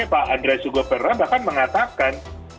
pak andres yugo perra bahkan mengatakan